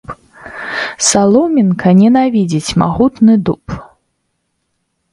Саломінка ненавідзіць магутны дуб.